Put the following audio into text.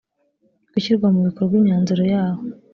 gushyira mu bikorwa imyanzuro yaho